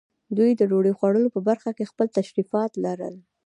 دوی د ډوډۍ خوړلو په برخه کې خپل تشریفات لرل.